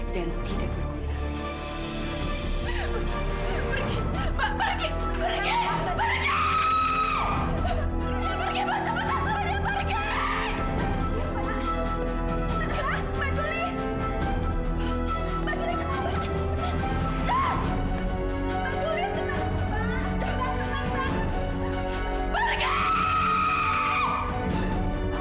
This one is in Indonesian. dan tidak berguna